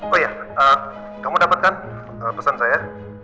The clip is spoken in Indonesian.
oh ya kamu dapatkan pesan saya